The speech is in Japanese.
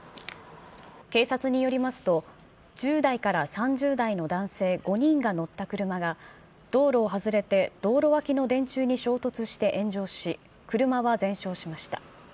警察によりますと、１０代から３０代の男性５人が乗った車が、道路を外れて、道路脇の電柱に衝突して炎上し、車は全焼しました。